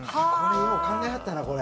よう考えはったなこれ。